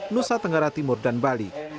nusa tenggara timur dan bali